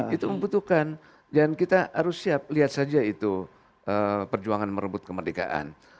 itu membutuhkan dan kita harus siap lihat saja itu perjuangan merebut kemerdekaan